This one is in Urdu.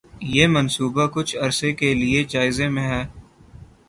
یہ منصوبہ کچھ عرصہ کے لیے جائزے میں ہے